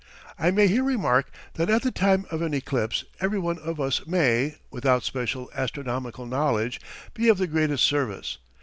I may here remark that at the time of an eclipse every one of us may, without special astronomical knowledge, be of the greatest service.